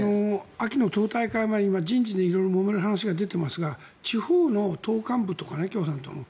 秋の党大会前に人事でもめてる話がありますが地方の党幹部とか、共産党の。